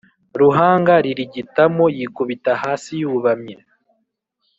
ruhanga ririgitamo yikubita hasi yubamye